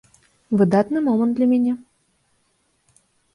Выдатны момант для мяне.